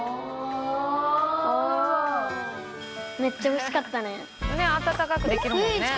めっちゃ惜しかったね。